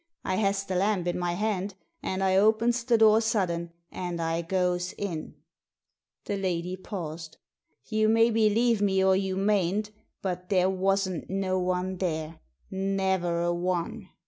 I has the lamp in my hand, and I opens the door sudden, and I goes in." The lady paused. "You may believe me or you mayn't, but there wasn't no one there — ne'er a one.